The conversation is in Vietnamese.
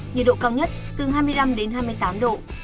nhiệt độ cao nhất từ hai mươi năm đến hai mươi tám độ